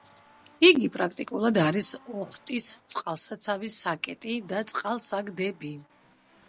იგი პრაქტიკულად არის ოხტის წყალსაცავის საკეტი და წყალსაგდები.